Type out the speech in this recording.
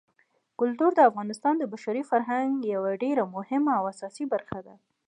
کلتور د افغانستان د بشري فرهنګ یوه ډېره مهمه او اساسي برخه ده.